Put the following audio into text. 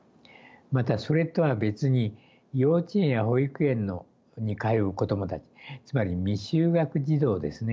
またそれとは別に幼稚園や保育園に通う子供たちつまり未就学児童ですね。